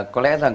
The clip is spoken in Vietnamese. có lẽ rằng